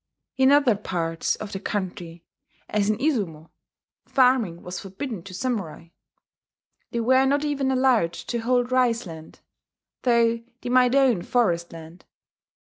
In other parts of the country, as in Izumo, farming was forbidden to samurai: they were not even allowed to hold rice land, though they might own forest land.